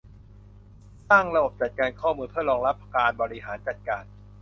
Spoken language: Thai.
สร้างระบบจัดการข้อมูลเพื่อรองรับการบริหารจัดการ